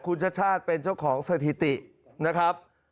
คุณชาติชาติเป็นเจ้าของสถิตินะครับ